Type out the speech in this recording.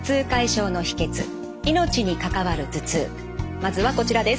まずはこちらです。